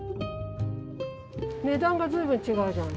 値段が随分違うじゃん。